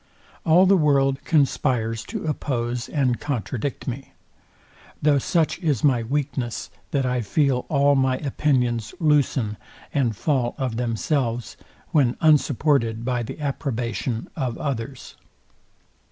All the world conspires to oppose and contradict me; though such is my weakness, that I feel all my opinions loosen and fall of themselves, when unsupported by the approbation of others.